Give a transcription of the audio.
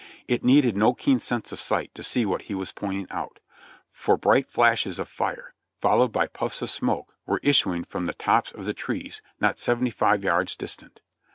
It needed no keen sense of sight to see what he was pointing out, for bright flashes of fire, followed by puffs of smoke, were issuing from the tops of the trees, not seventy five yards distant.